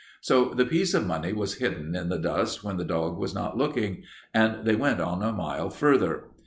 "So the piece of money was hidden in the dust when the dog was not looking, and they went on a mile farther.